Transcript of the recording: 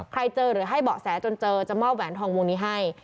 เจอหรือให้เบาะแสจนเจอจะมอบแหวนทองวงนี้ให้